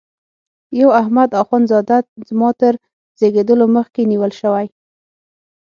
یو احمد اخوند زاده زما تر زیږېدلو مخکي نیول شوی.